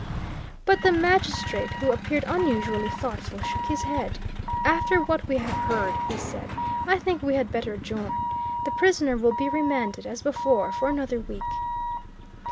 But the magistrate, who appeared unusually thoughtful, shook his head. "After what we have heard," he said, "I think we had better adjourn. The prisoner will be remanded as before for another week."